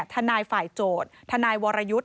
ทนายฝ่ายโจทย์ทนายวรยุทธ์